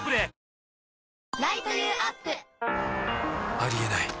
ありえない